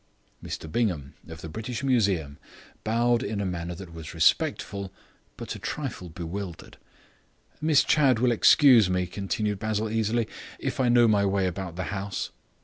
Mr Bingham, of the British Museum, bowed in a manner that was respectful but a trifle bewildered. "Miss Chadd will excuse me," continued Basil easily, "if I know my way about the house."